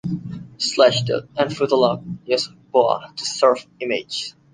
Slashdot and Fotolog use Boa to serve images.